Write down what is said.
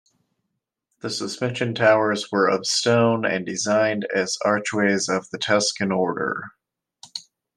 The suspension towers were of stone, and designed as archways of the Tuscan order.